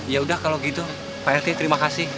yaudah kalau gitu pak rt terima kasih